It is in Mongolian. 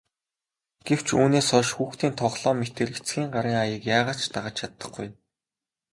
Гэвч үүнээс хойш хүүхдийн тоглоом мэтээр эцгийн гарын аяыг яагаад ч дагаж чадахгүй.